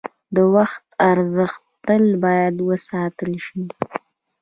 د وخت ارزښت تل باید وساتل شي.